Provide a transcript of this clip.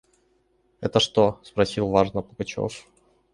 «Это что?» – спросил важно Пугачев.